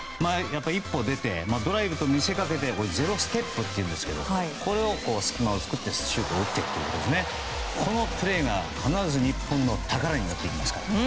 一歩出て、ドライブと見せかけてゼロステップというんですけどこれを隙間を作ってシュートを打ってというこのプレーが必ず日本の宝になってきますから。